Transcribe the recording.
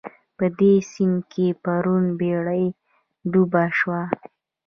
په دې سيند کې پرون بېړۍ ډوبه شوه